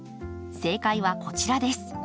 正解はこちらです。